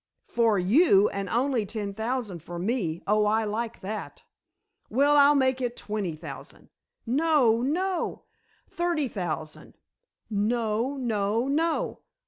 "For you, and only ten thousand for me. Oh, I like that." "Well, I'll make it twenty thousand." "No! no." "Thirty thousand." "No! no! no!"